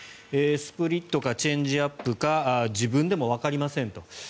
スプリットかチェンジアップか自分でもわかりませんと。